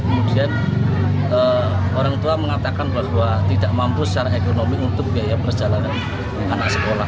kemudian orang tua mengatakan bahwa tidak mampu secara ekonomi untuk biaya perjalanan anak sekolah